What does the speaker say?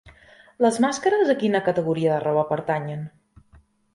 Les màscares a quina categoria de roba pertanyen?